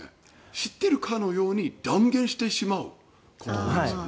知っているかのように断言してしまうこともありますよね。